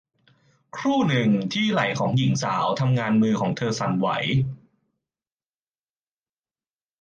ครู่หนึ่งที่ไหล่ของหญิงสาวทำงานมือของเธอสั่นไหว